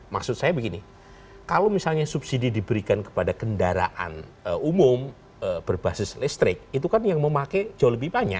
maksud saya begini kalau misalnya subsidi diberikan kepada kendaraan umum berbasis listrik itu kan yang memakai jauh lebih banyak